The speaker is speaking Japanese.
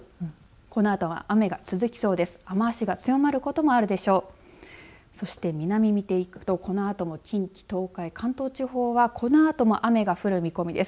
このあとは雨が続きそうです。